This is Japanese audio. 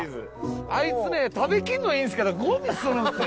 あいつね食べきるのはいいんですけどごみにするんですよ。